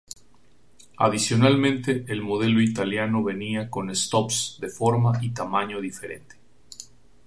Adicionalmente el modelo italiano venía con stops de forma y tamaño diferente.